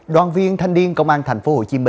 đoàn viên thanh niên công an tp hcm